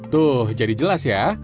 tuh jadi jelas ya